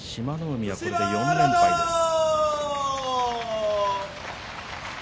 海はこれで４連敗です。